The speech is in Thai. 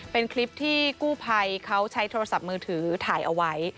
เป็นคลิปที่กู้ภัยเขาใช้โทรศัพท์มือถือถ่ายเอาไว้